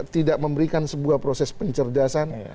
tidak memberikan sebuah proses pencerdasan